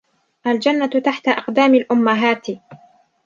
الجنة تحت أقدام الأمهات